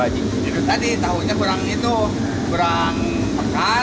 jadi tadi tahunya kurang itu kurang pekar